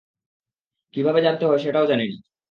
কীভাবে জানতে হয় সেটাও জানি না।